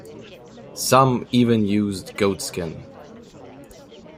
Some even used goatskin.